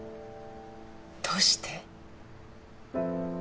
どうして？